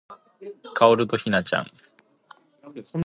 The bodies were found later in outbuildings on the property.